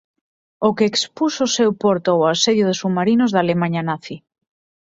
O que expuxo o seu porto ao asedio de submarinos da Alemaña Nazi.